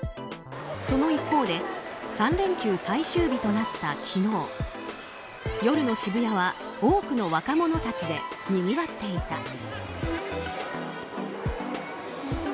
その一方で３連休最終日となった昨日夜の渋谷は多くの若者たちでにぎわっていた。